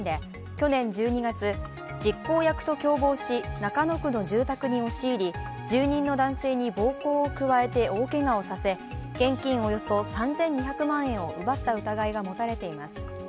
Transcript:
去年１２月、実行役と共謀し中野区の住宅に押し入り住人の男性に暴行を加えて大けがをさせ現金およそ３２００万円を奪った疑いが持たれています。